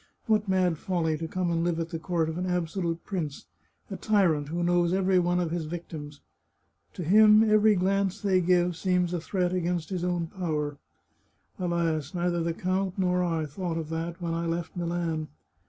What mad folly to come and live at the court of an absolute prince, a tyrant who knows every one of his victims ! To him every glance they give seems a threat against his own power, Alas ! neither the count nor I thought of that when I left Milan.